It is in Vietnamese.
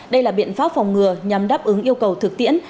đây là biện pháp phòng ngừa nhằm đáp ứng yêu cầu thực tiễn